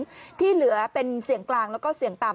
ที่เหลือเป็นเสี่ยงกลางแล้วก็เสี่ยงต่ำ